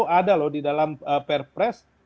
padahal tugasnya di dalam pr press